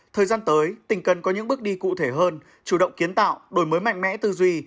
thời gian tới tỉnh cần có những bước đi cụ thể hơn chủ động kiến tạo đổi mới mạnh mẽ tư duy